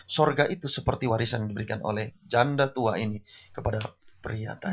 sorga itu seperti warisan yang diberikan oleh janda tua ini kepada pria tadi